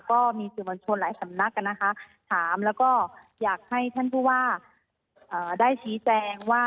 ก็มีสื่อมวลชนหลายสำนักนะคะถามแล้วก็อยากให้ท่านผู้ว่าได้ชี้แจงว่า